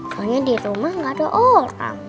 soalnya dirumah gak ada orang